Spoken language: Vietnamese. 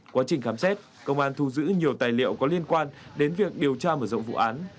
quá trình khám xét công an thu giữ nhiều tài liệu có liên quan đến việc điều tra mở rộng vụ án